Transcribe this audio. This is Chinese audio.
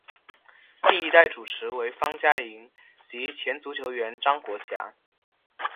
第一代主持为方嘉莹及前足球员张国强。